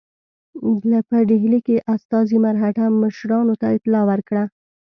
په ډهلي کې استازي مرهټه مشرانو ته اطلاع ورکړه.